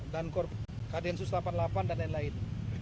dan kdn sus delapan puluh delapan dan lain lain